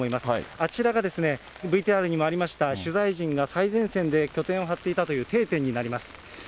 あちらが、ＶＴＲにもありました、取材陣が最前線で拠点を張っていたという定点になります。